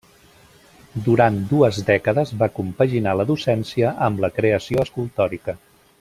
Durant dues dècades va compaginar la docència amb la creació escultòrica.